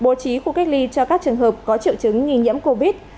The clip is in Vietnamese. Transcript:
bố trí khu cách ly cho các trường hợp có triệu chứng nghi nhiễm covid